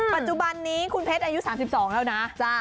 ปัจจุบันนี้คุณเพชรอายุ๓๒แล้วนะ